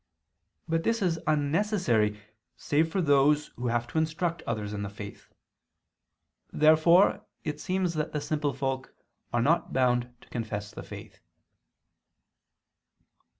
But this is unnecessary save for those who have to instruct others in the faith. Therefore it seems that the simple folk are not bound to confess the faith.